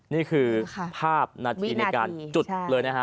นี่คือภาพนาทีในการจุดเลยนะฮะ